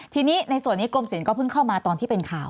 ทีนี้ในส่วนนี้กรมศิลปก็เพิ่งเข้ามาตอนที่เป็นข่าว